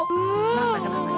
kenapa kenapa kenapa